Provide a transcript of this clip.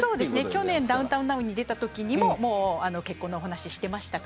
去年ダウンタウンなうに出たときにも結婚のお話をしていました。